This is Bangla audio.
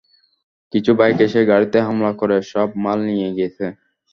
কিছু বাইক এসে গাড়িতে হামলা করে, সব মাল নিয়ে গেছে।